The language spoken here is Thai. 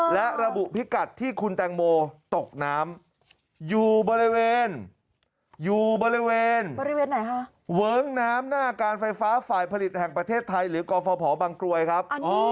และระบุพิกัดที่คุณแตงโมตกน้ำอยู่บริเวณเหวิงน้ำหน้ากาลไฟฟ้าฝ่ายผลิตของประเทศไทยหรือกรฟพบังกรวยครับ